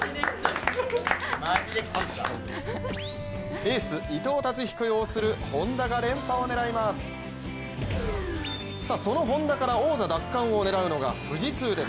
エース・伊藤達彦擁するＨｏｎｄａが連覇を狙います。